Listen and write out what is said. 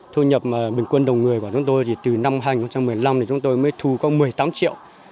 thu nhập bình quân đồng người của chúng tôi từ năm hai nghìn một mươi năm mới thu có một mươi tám triệu